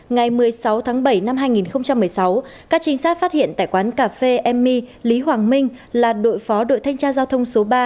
ngày một mươi sáu tháng bảy năm hai nghìn một mươi sáu các trinh sát phát hiện tại quán cà phê my lý hoàng minh là đội phó đội thanh tra giao thông số ba